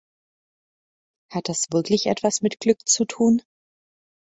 Hat das wirklich etwas mit Glück zu tun?